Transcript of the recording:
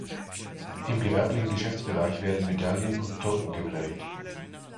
Im gewerblichen Geschäftsbereich werden Medaillen und Token geprägt.